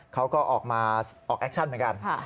เขาก็ออกมาออกแอคชั่นเหมือนกัน